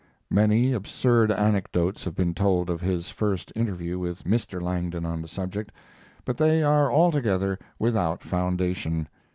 Many absurd anecdotes have been told of his first interview with Mr. Langdon on the subject, but they are altogether without foundation.